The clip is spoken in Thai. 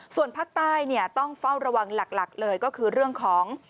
ส่วนภาคใต้ต้องเฝ้าระวังหลักเลยก็คือเรื่องของ